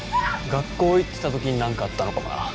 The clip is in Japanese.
学校行ってた時に何かあったのかもな。